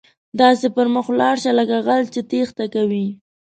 داسې پر مخ ولاړ شه، لکه غل چې ټیښته کوي.